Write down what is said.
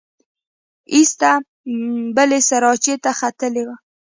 ایسته بلې سراچې ته ختلې وه.